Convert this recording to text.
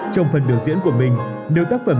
trong phần biểu diễn của mình nếu tác phẩm